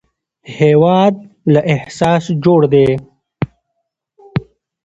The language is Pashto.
هېواد له احساس جوړ دی